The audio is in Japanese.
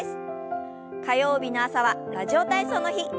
火曜日の朝は「ラジオ体操」の日。